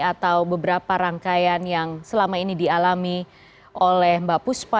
atau beberapa rangkaian yang selama ini dialami oleh mbak puspa